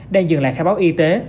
đang dừng lại khai báo y tế